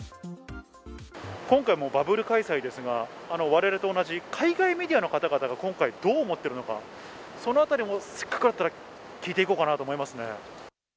今回、バブル開催ですが、我々と同じ海外メディアの方々が今回どう思っているのか、そのあたりせっかくだったら聞いて行こうかと思いますね。